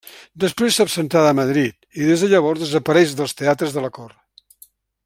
Després s'absentà de Madrid, i des de llavors desapareix dels teatres de la cort.